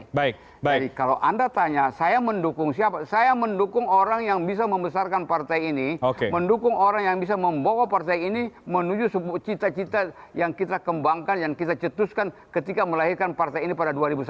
jadi kalau anda tanya saya mendukung orang yang bisa membesarkan partai ini mendukung orang yang bisa membawa partai ini menuju cita cita yang kita kembangkan yang kita cetuskan ketika melahirkan partai ini pada dua ribu satu